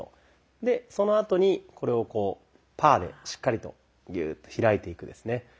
でそのあとにこれをこうパーでしっかりとギューッと開いていくですね。